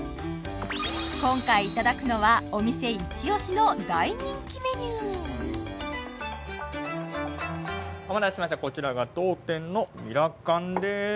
今回いただくのはお店イチオシの大人気メニューお待たせしましたこちらが当店のミラカンです